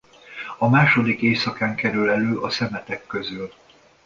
A második éjszakán kerül elő a szemetek közül.